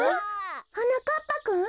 はなかっぱくん？